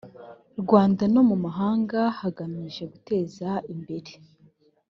rwanda no mu mahanga hagamijwe guteza imbere